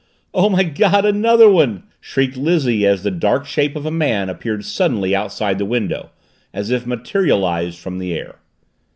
"Oh, my God another one!" shrieked Lizzie as the dark shape of a man appeared suddenly outside the window, as if materialized from the air.